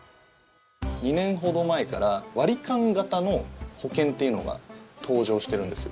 ２年ほど前から割り勘型の保険っていうのが登場してるんです。